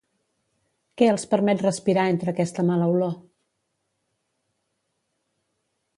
Què els permet respirar entre aquesta mala olor?